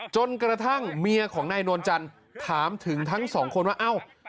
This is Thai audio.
จนกระทั่งเมียของนายนวลจันทร์ถามถึงทั้งสองคนว่าเอ้า